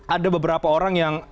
ada beberapa orang yang